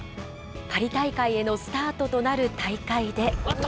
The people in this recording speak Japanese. パリ大会へのスタートとなる大会で。